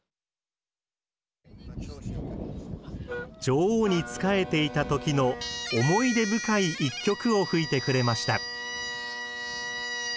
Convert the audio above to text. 女王に仕えていた時の思い出深い１曲を吹いてくれました。